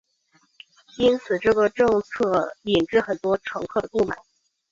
因此这个政策引致很多乘客的不满。